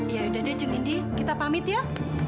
ya udah deh jeng ini kita pamit ya